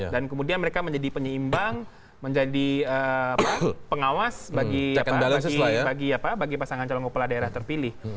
dan kemudian mereka menjadi penyeimbang menjadi pengawas bagi pasangan calon kepala daerah terpilih